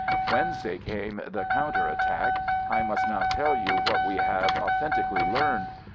Wednesday came the counter attack. I must now tell you what we have authen tically learned.